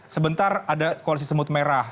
sebentar ada koalisi semut merah